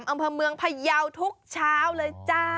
อำเภอเมืองพยาวทุกเช้าเลยจ้า